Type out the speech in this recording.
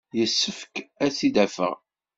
Yessefk ad t-id-afeɣ.